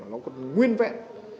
nó còn nguyên vẹn